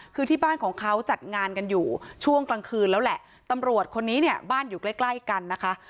คือที่บ้านของเขาจัดงานกันอยู่ช่วงกลางคืนแล้วแหละตำรวจคนนี้เนี่ยบ้านอยู่ใกล้ใกล้กันนะคะ